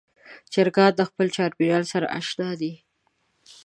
چرګان د خپل چاپېریال سره اشنا دي.